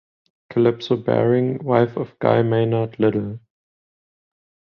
Calypso Baring (wife of Guy Maynard Liddell).